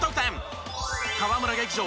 河村劇場